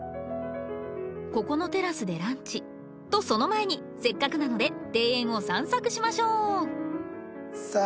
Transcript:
ここのテラスでランチとその前にせっかくなので庭園を散策しましょうさあ